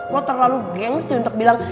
wah terlalu geng sih untuk bilang